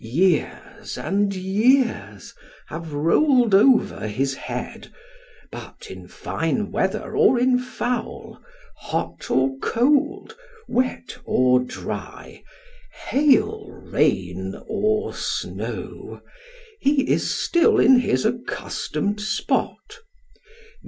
Years and years have rolled over his head ; but, in fine weather or in foul, hot or cold, wet or dry, hail, rain, or snow, he is still in his accustomed spot.